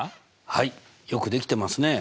はいよくできてますね。